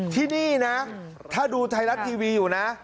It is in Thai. ที่นี่นะถ้าดูไทยรัฐทีวีอยู่นะ